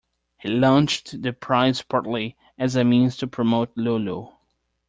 He launched the prize partly as a means to promote Lulu.